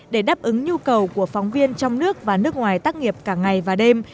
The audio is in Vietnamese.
để đáp ứng nhu cầu của phóng viên trong nước và nước ngoài tác nghiệp cả ngày và đêm